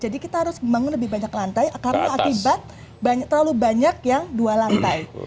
jadi kita harus membangun lebih banyak lantai karena akibat terlalu banyak yang dua lantai